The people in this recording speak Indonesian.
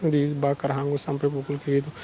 dibakar hangus sampai pukul kayak gitu